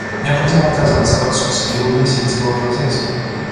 Необходимо отказаться от субсидирования сельского хозяйства.